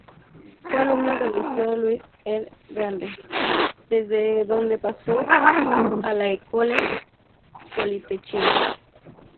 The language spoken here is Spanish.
Fue alumno del liceo Louis-el-Grande, desde donde pasó a la École Polytechnique.